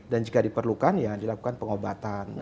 dan jika diperlukan ya dilakukan pengobatan